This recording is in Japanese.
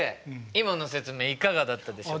今の説明いかがだったでしょうか？